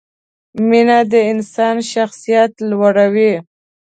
مینه د انسان شخصیت لوړوي.